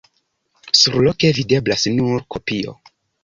Surloke videblas nur kopio.